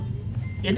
ini bisa dikata